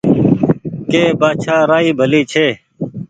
ڪي بآڇآ رآئي ڀلي ڇي